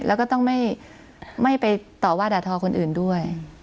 แล้วก็ต้องไม่ไปต่อว่าด่าทอคนอื่นด้วย